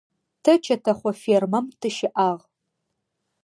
Тэ чэтэхъо фермэм тыщыӏагъ.